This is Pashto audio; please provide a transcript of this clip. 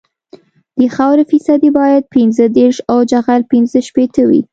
د خاورې فیصدي باید پنځه دېرش او جغل پینځه شپیته وي